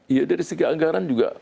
iya dari segi anggaran juga